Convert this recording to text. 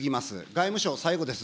外務省、最後です。